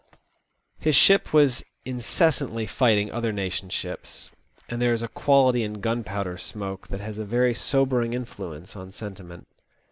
His ship was incessantly fighting other nations' ships, and there is a quality in gunpowder smoke that has a very sobering influence on sentiment.